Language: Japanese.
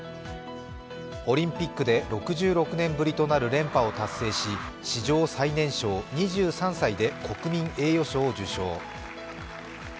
オリンピックで６６年ぶりとなる連覇を達成し、史上最年少２３歳で国民栄誉賞を受賞。